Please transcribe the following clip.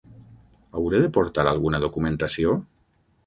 Hauré de portar alguna documentació?